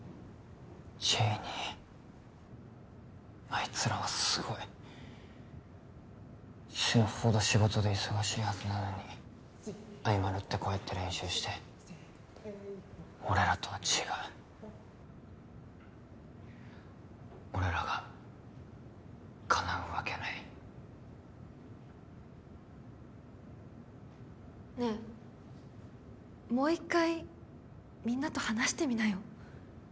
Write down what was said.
あいつらはすごい死ぬほど仕事で忙しいはずなのに合間縫ってこうやって練習して俺らとは違う俺らがかなうわけないねえもう一回みんなと話してみなよ